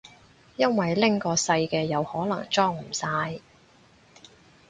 因為拎個細嘅又可能裝唔晒